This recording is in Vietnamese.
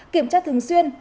kiểm tra thường xuyên